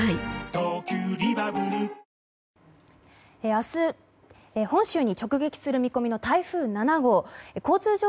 明日本州に直撃する見込みの台風７号。